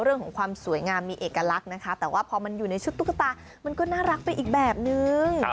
เรื่องของความสวยงามมีเอกลักษณ์นะคะแต่ว่าพอมันอยู่ในชุดตุ๊กตามันก็น่ารักไปอีกแบบนึง